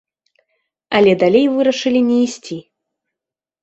Але далей вырашылі не ісці.